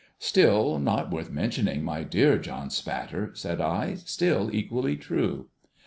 ' Still not worth mentioning, my dear John Spatter,' said I ;' still, equally true.'